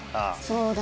そうだ。